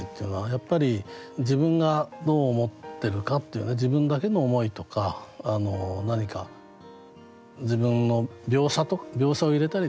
やっぱり自分がどう思ってるかというね自分だけの思いとか何か自分の描写を入れたりですね